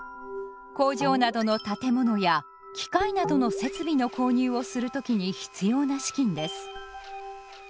工場などの建物や機械などの設備の購入をする時に必要な資金です。